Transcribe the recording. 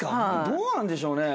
どうなんでしょうね？